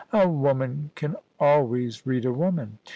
A woman can always read a woman.